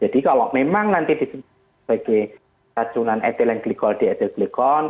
jadi kalau memang nanti sebagai racunan ethylene glikol di ethylene glikol